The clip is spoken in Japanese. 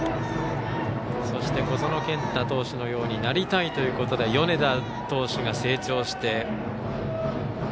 そして小園健太投手のようになりたいということで米田投手が成長して。